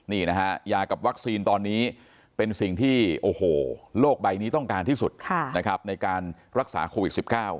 นี่นะฮะยากับวัคซีนตอนนี้เป็นสิ่งที่โอ้โหโลกใบนี้ต้องการที่สุดนะครับในการรักษาโควิด๑๙